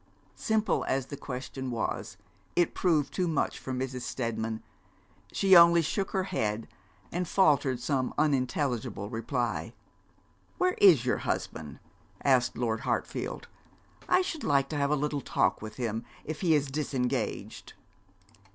Simple as the question was, it proved too much for Mrs. Steadman. She only shook her head, and faltered some unintelligible reply. 'Where is your husband?' asked Lord Hartfield; 'I should like to have a little talk with him, if he is disengaged.'